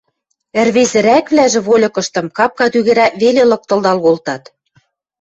Ӹрвезӹрӓквлӓжӹ вольыкыштым капка тӱгӹрӓк веле лыктылдал колтат